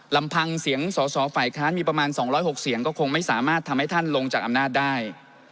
ลำพังเสียงสอสอฝ่ายค้านมีประมาณ๒๐๖เสียงก็คงไม่สามารถทำให้ท่านลงจากอำนาจได้